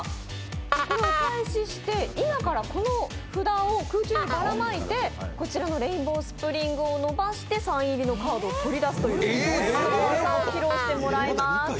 お返しして、今からこの札を空中にばらまいてこちらのレインボースプリングを伸ばしてサイン入りのカードを取り出すというスゴ技を披露してもらいます。